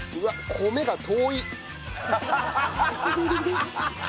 「米が遠い」。